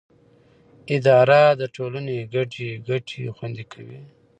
اداره د ټولنې ګډې ګټې خوندي کوي.